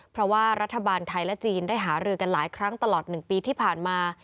เพราะว่ารัฐบาลไทยและจีนได้หารือกันหลายครั้งตลอด๑ปีที่ผ่านมา